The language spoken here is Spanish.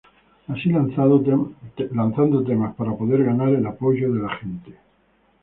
Así lanzando temas para poder ganar el apoyo de la gente.